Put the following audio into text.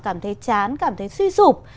cảm thấy chán cảm thấy suy sụp